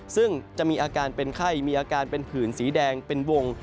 ซึ่งจะมีอาการเป็นไข้มีอาการเป็นผื่นสีแดงเป็นวง